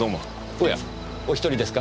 おやお一人ですか？